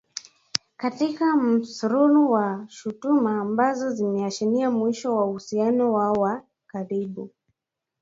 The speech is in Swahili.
katika msururu wa shutuma ambazo zimeashiria mwisho wa uhusiano wao wa karibu